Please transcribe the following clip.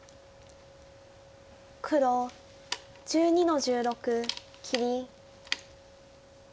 黒１２の十六切り。